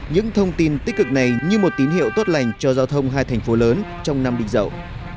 những thông tin tích cực này như một tín hiệu tốt lành cho giao thông hai thành phố lớn trong năm định dậu